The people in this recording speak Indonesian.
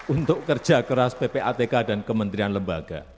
untuk kerja keras ppatk dan kementerian lembaga